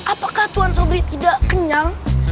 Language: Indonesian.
apakah tuan sobri tidak kenyang